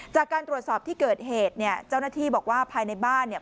จากการตรวจสอบที่เกิดเหตุเนี่ยเจ้าหน้าที่บอกว่าภายในบ้านเนี่ย